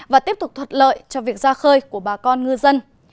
và tiếp tục thuận lợi cho việc ra khơi của bà con ngư dân